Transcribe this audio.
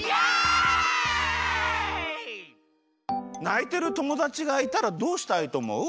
ないてるともだちがいたらどうしたいとおもう？